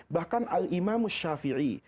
bahkan al imam al shafi'i